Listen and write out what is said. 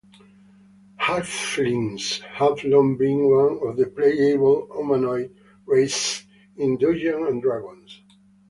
Halflings have long been one of the playable humanoid races in "Dungeons and Dragons".